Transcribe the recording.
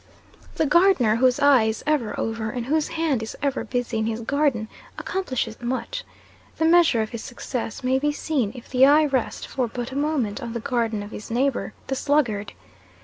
The gardener whose eye is ever over, and whose hand is ever busy in his garden, accomplishes much; the measure of his success may be seen if the eye rest for but a moment on the garden of his neighbor, the sluggard.